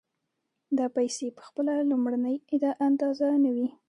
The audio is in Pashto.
دا پیسې په خپله لومړنۍ اندازه نه وي